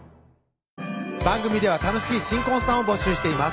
番組では楽しい新婚さんを募集しています